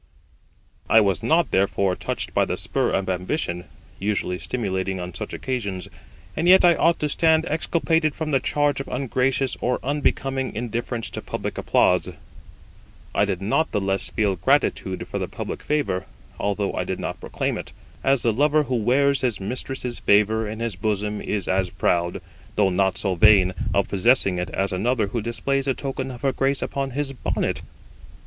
I was not, therefore, touched by the spur of ambition, usually stimulating on such occasions; and yet I ought to stand exculpated from the charge of ungracious or unbecoming indifference to public applause. I did not the less feel gratitude for the public favour, although I did not proclaim it; as the lover who wears his mistress's favour in his bosom is as proud, though not so vain, of possessing it as another who displays the token of her grace upon his bonnet.